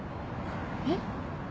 えっ？